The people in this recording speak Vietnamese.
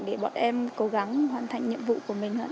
để bọn em cố gắng hoàn thành nhiệm vụ của mình